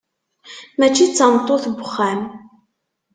Mačči d tameṭṭut n wexxam.